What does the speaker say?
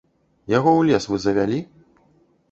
Яго ў лес вы завялі?